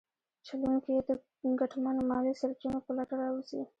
چلونکي یې د ګټمنو مالي سرچینو په لټه راوځي.